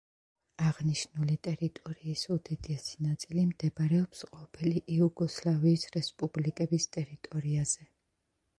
აღნიშნული ტერიტორიის უდიდესი ნაწილი მდებარეობს ყოფილი იუგოსლავიის რესპუბლიკების ტერიტორიაზე.